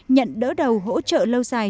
nhận đỡ đầu hỗ trợ lâu dài